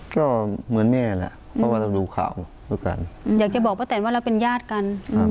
ก็เหมือนแม่แหละเพราะว่าเราดูข่าวด้วยกันอยากจะบอกป้าแตนว่าเราเป็นญาติกัน